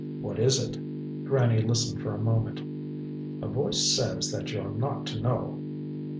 "What is It?" Granny listened for a moment. "A voice says that you're not to know."